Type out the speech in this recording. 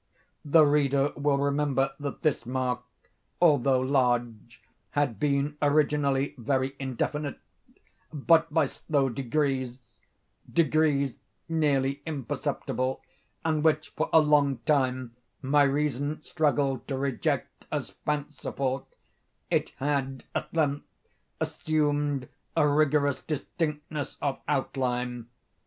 The reader will remember that this mark, although large, had been originally very indefinite; but, by slow degrees—degrees nearly imperceptible, and which for a long time my reason struggled to reject as fanciful—it had, at length, assumed a rigorous distinctness of outline.